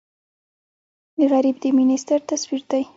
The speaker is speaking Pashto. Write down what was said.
غریب د مینې ستر تصویر دی